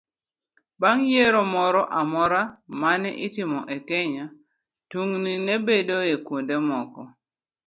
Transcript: Bang' yiero moro amora ma ne itimo e Kenya, tungni ne bedoe kuonde moko